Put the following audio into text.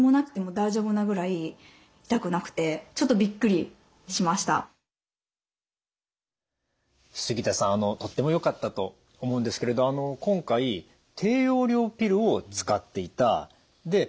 自分でこう杉田さんとってもよかったと思うんですけれど今回低用量ピルを使っていたで漢方に乗り換えた。